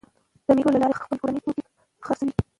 د مېلو له لاري خلک خپل کورني توکي خرڅوي.